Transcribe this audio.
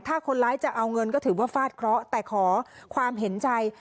ถ้าคนร้ายจะเอาเงินก็ถือว่าฟาดเคราะห์แต่ขอความเห็นใจ